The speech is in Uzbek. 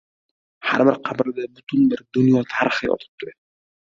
Har bir qabrda butun bir dunyo tarixi yotibdi.